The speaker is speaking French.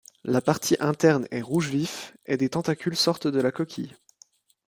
La partie interne est rouge vif et des tentacules sortent de la coquille.